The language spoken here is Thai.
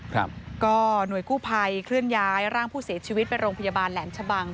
ครับก็หน่วยกู้ภัยเคลื่อนย้ายร่างผู้เสียชีวิตไปโรงพยาบาลแหลมชะบัง